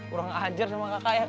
kurang hajar sama kakak ya